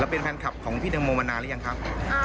รู้สึกยังไงบ้างครับ